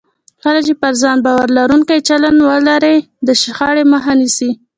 کله چې پر ځان باور لرونکی چلند ولرئ، د شخړې مخه نیسئ.